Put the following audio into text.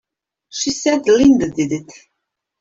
She said Linda did it!